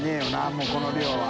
もうこの量は。